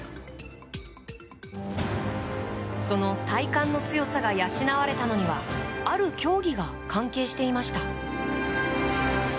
その体幹の強さが養われたのにはある競技が関係していました。